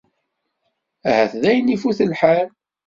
Ahat dayen ifut lḥal.